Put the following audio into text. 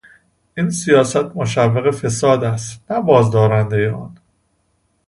این سیاست مشوق فساد است نه بازدارندهی آن.